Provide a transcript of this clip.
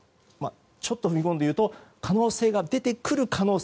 ちょっと踏み込んで言うと可能性が出てくる可能性。